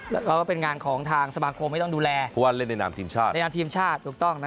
แล้วก็เป็นงานของทางสมาคมไม่ต้องดูแลเพราะว่าเล่นในนามทีมชาติ